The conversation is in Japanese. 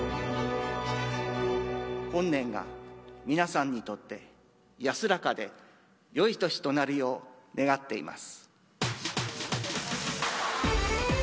本年が皆さんにとって安らかでよい年となるよう、願っています。